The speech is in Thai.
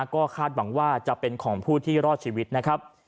ก็คาดหวังว่าจะเป็นของผู้ที่รอดชีวิตนะครับ